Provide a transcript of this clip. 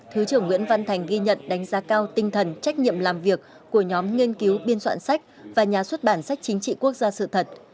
thứ trưởng nguyễn văn thành ghi nhận đánh giá cao tinh thần trách nhiệm làm việc của nhóm nghiên cứu biên soạn sách và nhà xuất bản sách chính trị quốc gia sự thật